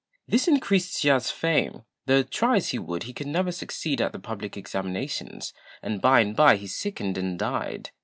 This increased Hsia's fame, though try as he would he could never succeed at the public examinations, and by and by he sickened and died.